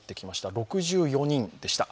６４人でした。